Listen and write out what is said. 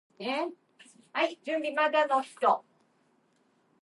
DiSarcina wore several numbers over the course of his career.